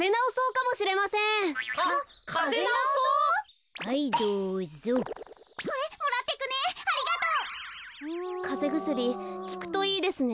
かぜぐすりきくといいですね。